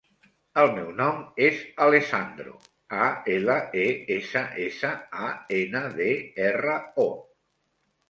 El meu nom és Alessandro: a, ela, e, essa, essa, a, ena, de, erra, o.